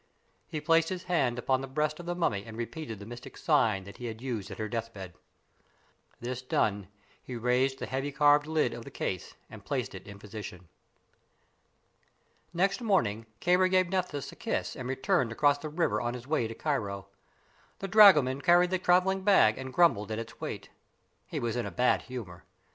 He placed his hand upon the breast of the mummy and repeated the mystic sign he had used at her death bed. This done, he raised the heavy carved lid of the case and placed it in position. Next morning Kāra gave Nephthys a kiss and returned across the river on his way to Cairo. The dragoman carried the traveling bag and grumbled at its weight. He was in a bad humor.